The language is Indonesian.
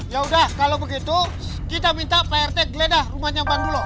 yaudah kalau begitu kita minta pak rt geledah rumahnya bandulo